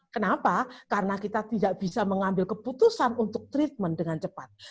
kenapa karena kita tidak bisa mengambil keputusan untuk treatment dengan cepat